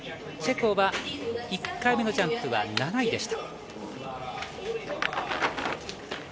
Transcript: チェコは１回目のジャンプは７位でした。